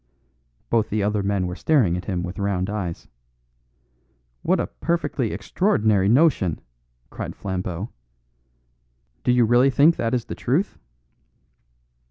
Both the other men were staring at him with round eyes. "What a perfectly extraordinary notion!" cried Flambeau. "Do you really think that is the truth?"